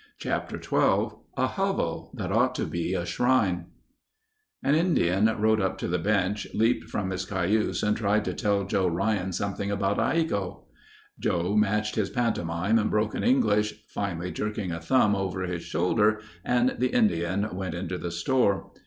Chapter XII A Hovel That Ought To Be a Shrine An Indian rode up to the bench, leaped from his cayuse and tried to tell Joe Ryan something about a "hiko." Joe matched his pantomime and broken English, finally jerking a thumb over his shoulder and the Indian went into the store.